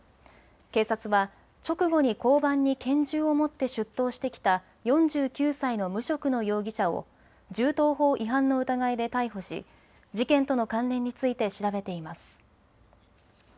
警察は直後に交番に拳銃を持って出頭してきた４９歳の無職の容疑者を銃刀法違反の疑いで逮捕し事件との関連について調べています。